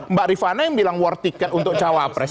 mbak rifana yang bilang war tiket untuk cawapres